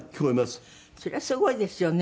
それはすごいですよね。